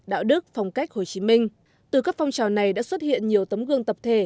đạo đức phong cách hồ chí minh từ các phong trào này đã xuất hiện nhiều tấm gương tập thể